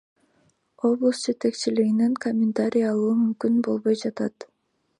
Облус жетекчилигинен комментарий алуу мүмкүн болбой жатат.